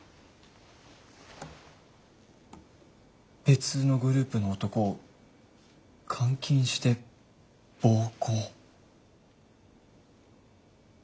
別のグループの男を監禁して暴行。